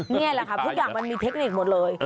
นี่แหละค่ะพี่ก่อนมันมีเทคนิคหมดเลย